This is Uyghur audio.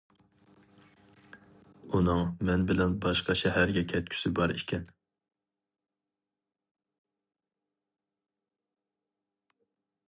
ئۇنىڭ مەن بىلەن باشقا شەھەرگە كەتكۈسى بار ئىكەن.